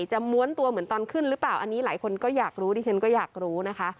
ม้วนตัวเหมือนตอนขึ้นหรือเปล่าอันนี้หลายคนก็อยากรู้ดิฉันก็อยากรู้นะคะ